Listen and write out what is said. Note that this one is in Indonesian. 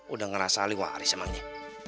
udah ngerasa liwa aris emangnya